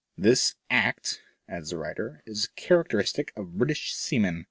*' This act," adds the writer, is characteristic of British sea men."